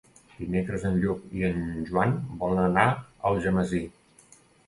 Dimecres en Lluc i en Joan volen anar a Algemesí.